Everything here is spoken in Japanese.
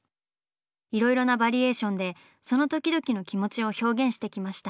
いろいろなバリエーションでその時々の気持ちを表現してきました。